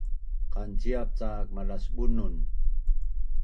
Qanciap cak malas Bunun